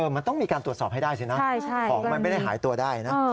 มันต้องมีการตรวจสอบให้ได้สินะของมันไม่ได้หายตัวได้นะ